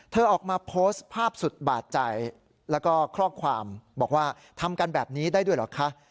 ออกมาโพสต์ภาพสุดบาดใจแล้วก็ข้อความบอกว่าทำกันแบบนี้ได้ด้วยเหรอคะ